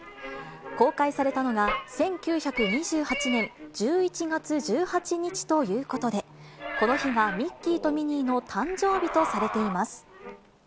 公開されたのが１９２８年１１月１８日ということで、この日がミッキーとミニーの誕生日とされています。